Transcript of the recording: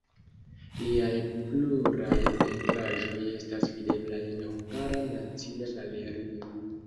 Liaj pluraj pentraĵoj estas videblaj en Hungara Nacia Galerio.